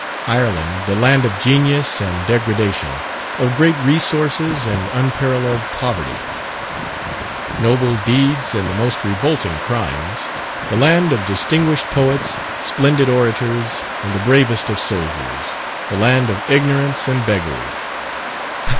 Ireland, the land of genius and degradation of great resources and unparalleled poverty noble deeds and the most revolting crimes the land of distinguished poets, splendid orators, and the bravest of soldiers the land of ignorance and beggary!